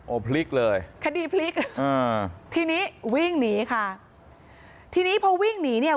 พลิกเลยคดีพลิกอ่าทีนี้วิ่งหนีค่ะทีนี้พอวิ่งหนีเนี่ย